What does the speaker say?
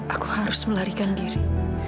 aku harus melarikan diri